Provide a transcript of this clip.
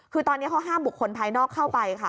คือตอนนี้เขาห้ามบุคคลภายนอกเข้าไปค่ะ